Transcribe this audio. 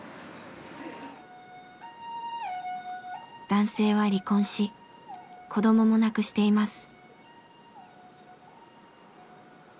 男性は離婚し子どもも亡くしています。